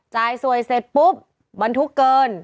จ่ายสวยเสร็จปุ๊บบรรทุกเกิน